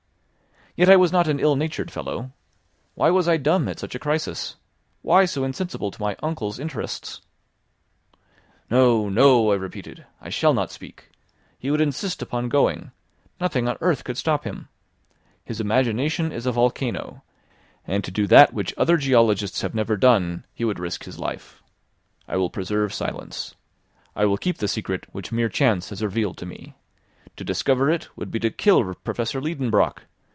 Yet I was not an ill natured fellow. Why was I dumb at such a crisis? Why so insensible to my uncle's interests? "No, no," I repeated, "I shall not speak. He would insist upon going; nothing on earth could stop him. His imagination is a volcano, and to do that which other geologists have never done he would risk his life. I will preserve silence. I will keep the secret which mere chance has revealed to me. To discover it, would be to kill Professor Liedenbrock!